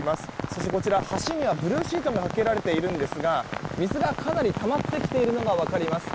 そして、こちら、橋にはブルーシートがかけられているんですが水がかなりたまってきているのが分かります。